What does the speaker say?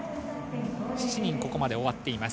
７人がここまで終わっています。